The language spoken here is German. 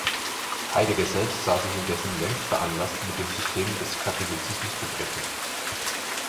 Heidegger selbst sah sich indessen längst veranlasst, mit dem „System des Katholizismus“ zu brechen.